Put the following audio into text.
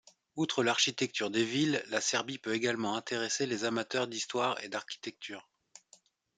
Outre l'architecture des villes, la Serbie peut également intéresser les amateurs d'histoire et d'architecture.